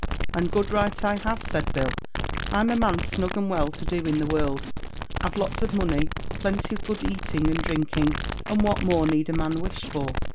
"And good right I have," said Bill; "I'm a man snug and well to do in the world; have lots of money, plenty of good eating and drinking, and what more need a man wish for?"